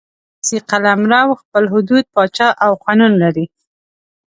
سیاسي قلمرو خپل حدود، پاچا او قانون لري.